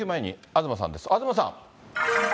東さん。